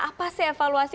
apa sih evaluasi